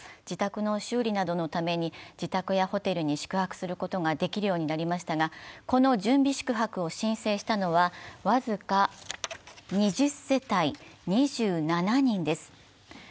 自宅の修理などのために自宅やホテルなどに宿泊することができるようになりましたが、この住民宿泊を申請したのは、僅か２０世帯２７人です。